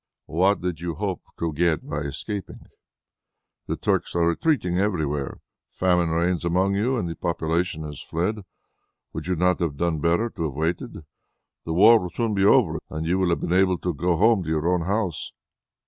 "What did you hope to get by escaping? The Turks are retreating everywhere, famine reigns among you, and the population has fled. Would you not have done better to have waited? The war will soon be over, and you would have been able to go home to your own house."